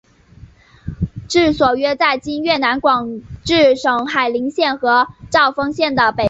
治所约在今越南广治省海陵县和肇丰县的北部。